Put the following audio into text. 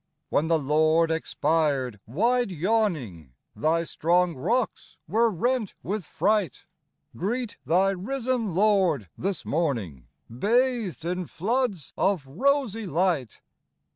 When the Lord expired, wide yawning Thy strong rocks were rent with fright Greet thy risen Lord this morning, Bathed in floods of rosy light.